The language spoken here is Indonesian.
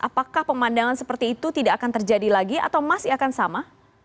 apakah pemandangan seperti itu tidak akan terjadi lagi atau masih akan sama